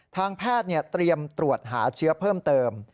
ทางแพทย์เตรียมตรวจหาเชื้อเพิ่มเติม